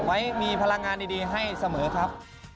ไว้มีพลังงานดีให้เสมอครับ